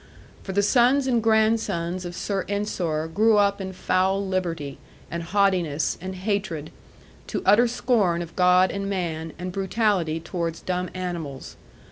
For the sons and grandsons of Sir Ensor grew up in foul liberty, and haughtiness, and hatred, to utter scorn of God and man, and brutality towards dumb animals.